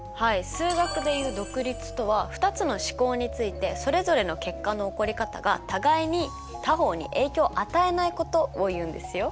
数学でいう「独立」とは２つの試行についてそれぞれの結果の起こり方がたがいに他方に影響を与えないことをいうんですよ。